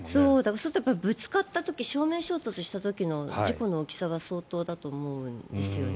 そうすると正面衝突した時の事故の大きさは相当だと思うんですよね。